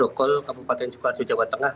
di grogol kabupaten sukarjo jawa tengah